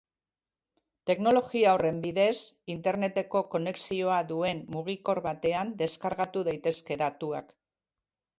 Teknologia horren bidez, interneteko konexioa duen mugikor batean deskargatu daitezke datuak.